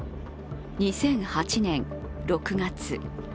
２００８年６月。